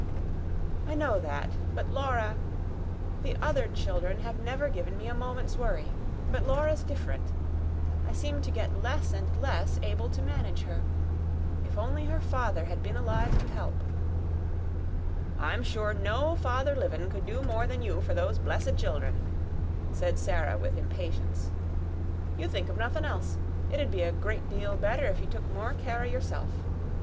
"I know that. But Laura The other children have never given me a moment's worry. But Laura's different. I seem to get less and less able to manage her. If only her father had been alive to help!" "I'm sure no father livin' could do more than you for those blessed children," said Sarah with impatience. "You think of nothin' else. It 'ud be a great deal better if you took more care o' yourself.